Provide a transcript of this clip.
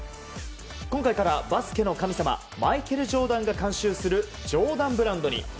今回からバスケの神様マイケル・ジョーダンが監修するジョーダンブランドに。